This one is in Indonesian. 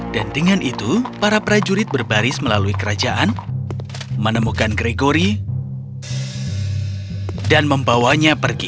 dan dengan itu para prajurit berbaris melalui kerajaan menemukan gregory dan membawanya pergi